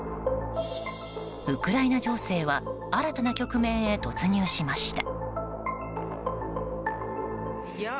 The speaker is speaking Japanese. ウクライナ情勢は新たな局面へ突入しました。